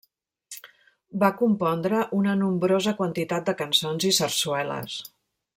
Va compondre una nombrosa quantitat de cançons i sarsueles.